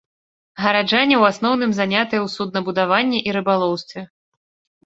Гараджане ў асноўным занятыя ў суднабудаванні і рыбалоўстве.